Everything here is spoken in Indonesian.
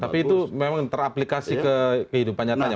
tapi itu memang teraplikasi ke kehidupan nyatanya